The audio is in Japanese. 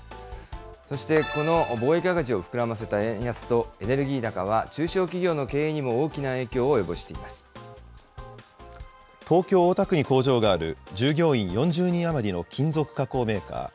そして、この貿易赤字を膨らませた円安とエネルギー高は、中小企業の経営にも大きな影響を及ぼし東京・大田区に工場がある従業員４０人余りの金属加工メーカー。